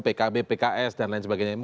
bisa bertemu pkb pks dan lain sebagainya